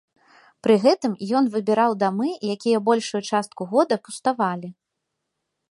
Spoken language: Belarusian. Пры гэтым ён выбіраў дамы, якія большую частку года пуставалі.